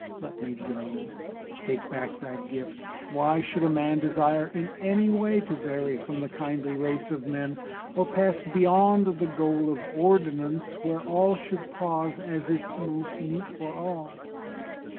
Let me go: take back thy gift: Why should a man desire in any way To vary from the kindly race of men, Or pass beyond the goal of ordinance Where all should pause, as is most meet for all?